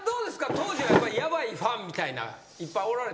当時はやっぱりヤバいファンみたいないっぱいおられたんですか？